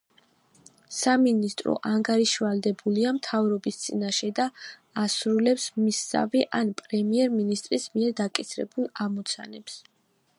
სამინისტრო ანგარიშვალდებულია მთავრობის წინაშე და ასრულებს მისსავე ან პრემიერ-მინისტრის მიერ დაკისრებულ ამოცანებს.